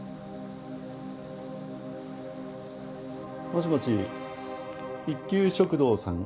もしもし一休食堂さん